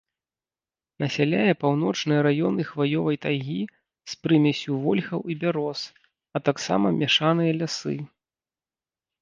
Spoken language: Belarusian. Насяляе паўночныя раёны хваёвай тайгі з прымессю вольхаў і бяроз, а таксама мяшаныя лясы.